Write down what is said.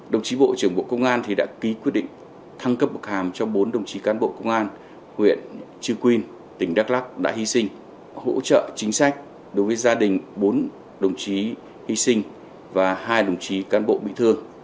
đồng chí bộ trưởng bộ công an đã ký quyết định thăng cấp bậc hàm cho bốn đồng chí cán bộ công an huyện chư quynh tỉnh đắk lắc đã hy sinh hỗ trợ chính sách đối với gia đình bốn đồng chí hy sinh và hai đồng chí cán bộ bị thương